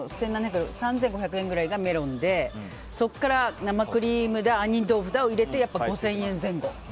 ３５００円くらいがメロンでそこから生クリームだ杏仁豆腐だを入れて５０００円前後。